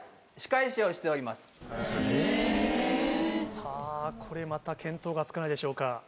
さぁこれまた見当がつかないでしょうか。